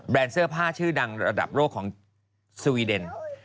เสื้อผ้าชื่อดังระดับโลกของสวีเดน